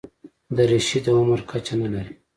دریشي د عمر کچه نه لري.